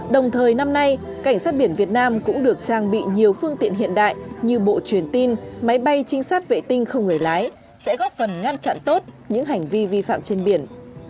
đồng thời năm nay cảnh sát biển việt nam cũng được trang bị nhiều phương tiện hiện đại như bộ truyền tin máy bay trinh sát vệ tinh không người lái sẽ góp phần ngăn chặn tốt những hành vi vi phạm trên biển